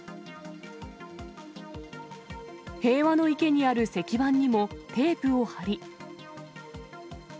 平和の池にある石板にもテープを貼り。